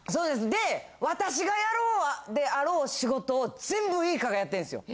で私がやろうであろう仕事を全部ウイカがやってんですよ！